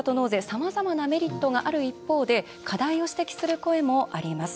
さまざまなメリットがある一方で課題を指摘する声もあります。